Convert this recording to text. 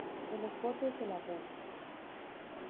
En los bordes de lagunas.